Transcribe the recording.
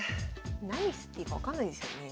何していいか分かんないですよね。